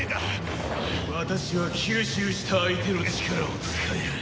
私は吸収した相手の力を使える。